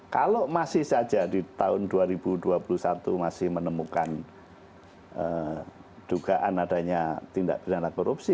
kalau masih saja di tahun dua ribu dua puluh satu masih menemukan dugaan adanya tindak pidana korupsi